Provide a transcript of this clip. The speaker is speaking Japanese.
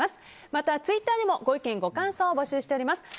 またツイッタでもご意見、ご感想をお待ちしております。